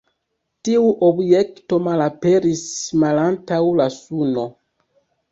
Tiu objekto malaperis malantaŭ la Suno.